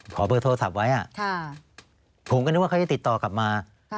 ขอโทรศัพท์ไว้อ่ะค่ะผมก็นึกว่าเขาจะติดต่อกลับมาค่ะ